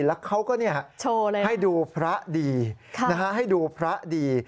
แล้วเขาก็ให้ดูพระดี